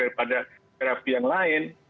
daripada terapi yang lain